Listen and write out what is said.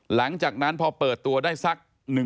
หลังจากนั้นพอเปิดตัวได้สัก